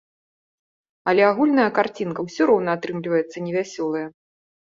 Але агульная карцінка ўсё роўна атрымліваецца невясёлая.